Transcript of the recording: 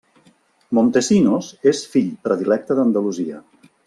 Montesinos és Fill Predilecte d'Andalusia.